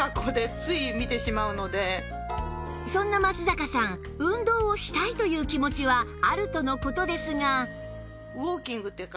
そんな松坂さん運動をしたいという気持ちはあるとの事ですが